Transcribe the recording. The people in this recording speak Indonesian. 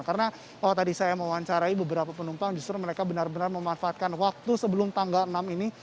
karena kalau tadi saya mewawancarai beberapa penumpang justru mereka benar benar memanfaatkan waktu sebelum tanggal enam ini